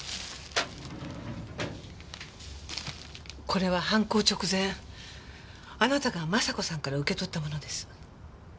これは犯行直前あなたが真佐子さんから受け取ったものです。